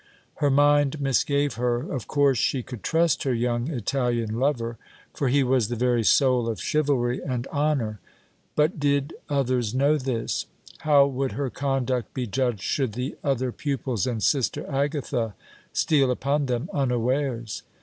Her mind misgave her. Of course she could trust her young Italian lover, for he was the very soul of chivalry and honor. But did others know this? How would her conduct be judged should the other pupils and Sister Agatha steal upon them unawares?